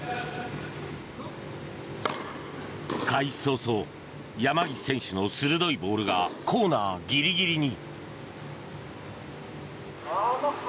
開始早々山岸選手の鋭いボールがコーナーギリギリに。